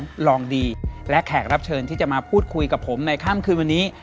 รองดีและแขกรับเชิญที่จะมาพูดคุยกับผมในค่ำคืนวันนี้